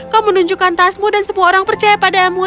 kau menunjukkan tasmu dan semua orang percaya padamu